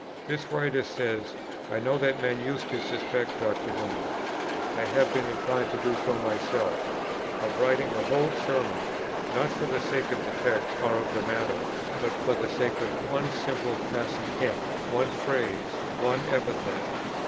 This writer says, "I know that men used to suspect Dr. Newman, I have been inclined to do so myself, of writing a whole Sermon, not for the sake of the text or of the matter, but for the sake of one simple passing hint, one phrase, one epithet."